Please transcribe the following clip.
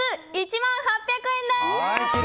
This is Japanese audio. １万８００円です！